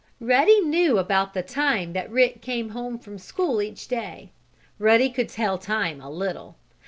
Ruddy knew about the time that Rick came home from school each day. Ruddy could tell time a little.